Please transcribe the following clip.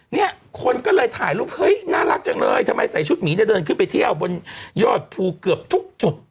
เนี่ยคนก็เลยถ่ายรูปเฮ้ยน่ารักจังเลยทำไมใส่ชุดหมีเนี่ยเดินขึ้นไปเที่ยวบนยอดภูเกือบทุกจุด